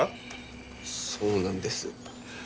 そうなんです。